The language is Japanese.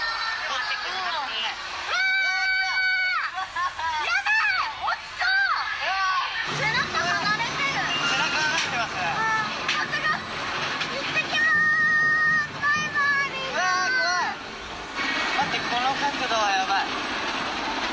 待ってこの角度はやばい。